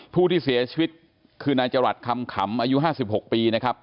ผู้ที่เสียชีวิตคือนายจรัสคำขำอายุ๕๖ปีนะครับ